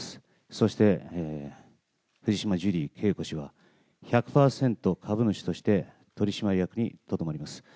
そして、藤島ジュリー景子氏は１００％株主として、取締役にとどまります。